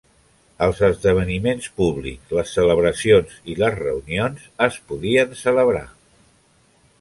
Els esdeveniments públics, les celebracions i les reunions es podien celebrar-hi.